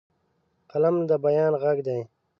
قلم د بیان غږ دی